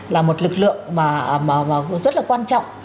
là một lực lượng mà rất là quan trọng